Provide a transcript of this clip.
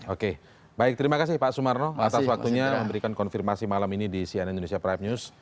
oke baik terima kasih pak sumarno atas waktunya memberikan konfirmasi malam ini di cnn indonesia prime news